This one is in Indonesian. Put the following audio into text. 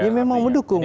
ya memang mendukung